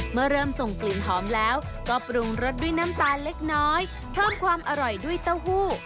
เมื่อเริ่มส่งกลิ่นหอมแล้วก็ปรุงรสด้วยน้ำตาลเล็กน้อยเพิ่มความอร่อยด้วยเต้าหู้